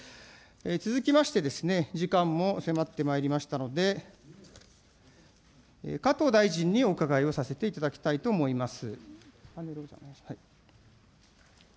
続きまして、時間も迫ってまいりましたので、加藤大臣にお伺いをさせていただきたいと思います。